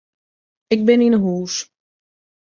Ik bin yn 'e hûs.